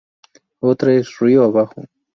Otra es "Río Abajo".